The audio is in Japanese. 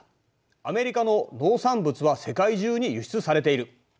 アメリカの農産物は世界中に輸出されている。